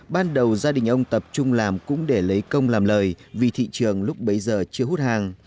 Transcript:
ban đầu gia đình ông tập trung làm cũng để lấy công làm lời vì thị trường lúc bấy giờ chưa hút hàng